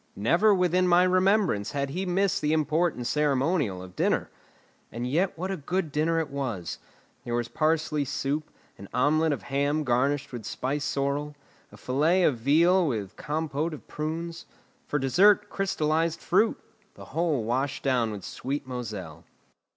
Never within my remembrance had he missed the important ceremonial of dinner. And yet what a good dinner it was! There was parsley soup, an omelette of ham garnished with spiced sorrel, a fillet of veal with compote of prunes; for dessert, crystallised fruit; the whole washed down with sweet Moselle.